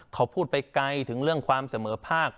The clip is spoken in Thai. เขาพูดไปไกลถึงเรื่องความเสมอภาค